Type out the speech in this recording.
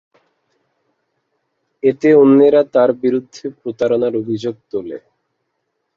এতে অন্যেরা তার বিরুদ্ধে প্রতারণার অভিযোগ তোলে।